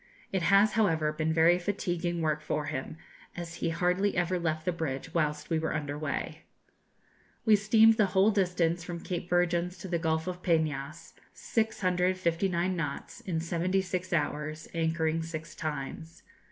It has, however, been very fatiguing work for him, as he hardly ever left the bridge whilst we were under way. We steamed the whole distance from Cape Virgins to the Gulf of Peñas, 659 knots, in 76 hours, anchoring six times.